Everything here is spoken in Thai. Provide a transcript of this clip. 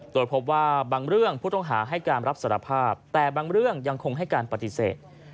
โดยพบว่าบางเรื่องผู้ต้องหาให้การรับสารภาพแต่บางเรื่องยังคงให้การปฏิเสธ